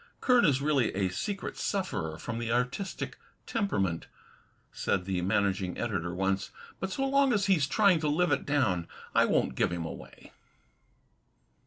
"Kern is really a secret sufferer from the artistic temperament," said the managing editor once, "but so long as he's trying to live it down, I won't give him away."